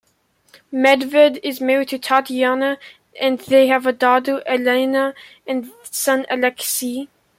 Medved is married to Tatyana, they have a daughter Elena and son Aleksei.